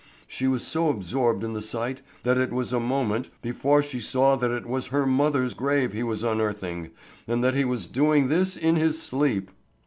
She was so absorbed in the sight that it was a moment before she saw that it was her mother's grave he was unearthing and that he was doing this in his sleep.